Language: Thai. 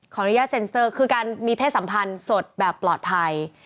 อนุญาตเซ็นเซอร์คือการมีเพศสัมพันธ์สดแบบปลอดภัย